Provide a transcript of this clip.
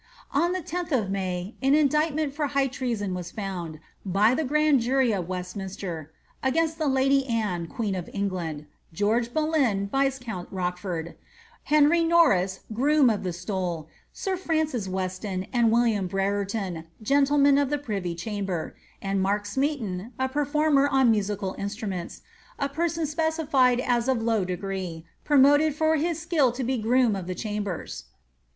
On the 10th of May, an indictment for high treason was found, by the grand jury of Westminster, ^ against the lady Anne, queen of England ; George Boleyn, viscount Rochford ; Henry Norris, groom of the stole; sir Francis Weston and William Brereton, gentlemen of the privy cham ber ; and Mark Smeaton, a performer on musical instruments, a person specified as of low degree, promoted for his skill to be groom of the chambers."